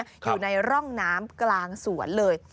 อยู่ในร่องน้ำกลางสวนเลย